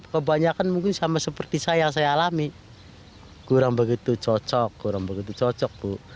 kebanyakan mungkin sama seperti saya saya alami kurang begitu cocok kurang begitu cocok bu